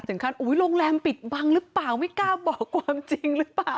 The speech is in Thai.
โรงแรมปิดบังหรือเปล่าไม่กล้าบอกความจริงหรือเปล่า